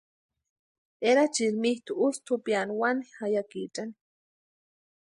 Erachieri mitʼu ústi jupiani wani jayakichani.